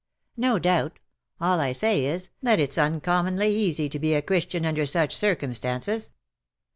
" No doubt. All I say is, that it^s uncommonly easy to be a Christian under such circumstaDces."